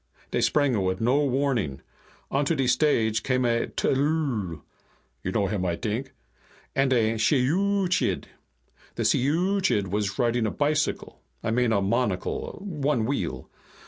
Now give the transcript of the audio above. "Dey sprang it with no warning. Onto de stage came a tllooll (you know him, I t'ink), and a shiyooch'iid. The shiyooch'iid was riding a bicycle I mean a monocle. One wheel.